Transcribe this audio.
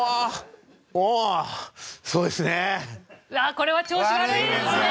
これは調子悪いですね！